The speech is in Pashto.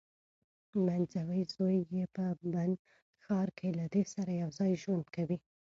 منځوی زوی یې په بن ښار کې له دې سره یوځای ژوند کوي.